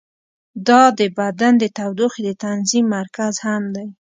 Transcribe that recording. دا د بدن د تودوخې د تنظیم مرکز هم دی.